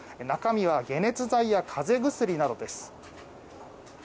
中身は解熱剤や風邪薬などです。